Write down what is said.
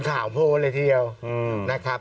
ทนข่าวพูดเลยเที่ยวนะครับ